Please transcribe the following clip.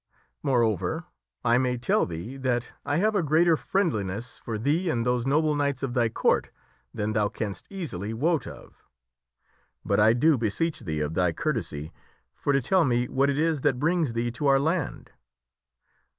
Moreover, I may tell thee that I have a greater friendliness for thee and those noble knights of thy court than thou canst easily wot of. But I do beseech thee of thy courtesy for to t< me what it is that brings thee to our land?"